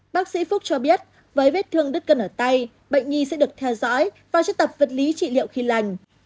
bác sĩ phúc cho biết với vết thương đứt cân ở tay bệnh nhi sẽ được theo dõi và trị tập vật lý trị liệu khi lành